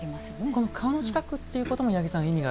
この川の近くということも八木さん